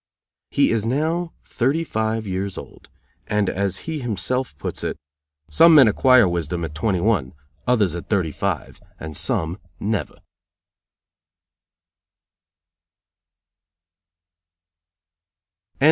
He is now thirty five years old, and as he himself puts it: "Some men acquire wisdom at twenty one, others at thirty five, and some never."